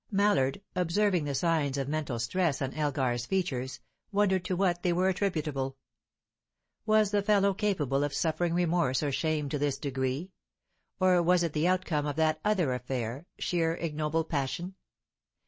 Mallard, observing the signs of mental stress on Elgar's features, wondered to what they were attributable. Was the fellow capable of suffering remorse or shame to this degree? Or was it the outcome of that other affair, sheer ignoble passion?